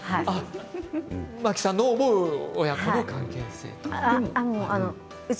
真木さんの思う親子の関係性。